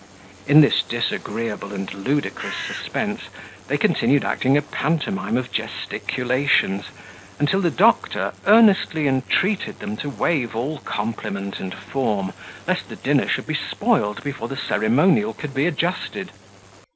In this disagreeable and ludicrous suspense, they continue acting a pantomime of gesticulations, until the doctor earnestly entreated them to waive all compliment and form, lest the dinner should be spoiled before the ceremonial could be adjusted.